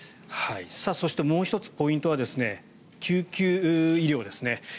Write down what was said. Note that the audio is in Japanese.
そして、もう１つポイントは救急医療ですね。